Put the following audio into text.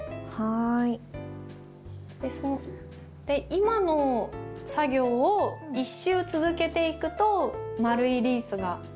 今の作業を１周続けていくと丸いリースが出来上がるんですね。